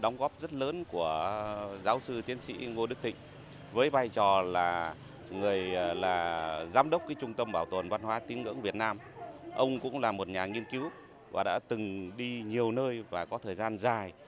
ngô đức thịnh là một nhà nghiên cứu và đã từng đi nhiều nơi và có thời gian dài